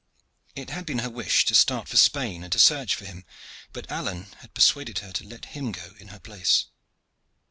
It had been her wish to start for Spain and to search for him, but Alleyne had persuaded her to let him go in her place.